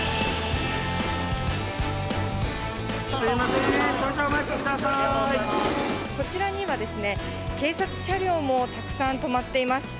すみません、こちらには警察車両もたくさん止まっています。